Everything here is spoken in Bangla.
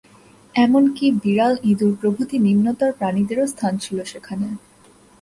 এমন কি বিড়াল ইঁদুর প্রভৃতি নিম্নতর প্রাণীদেরও স্থান ছিল সেখানে।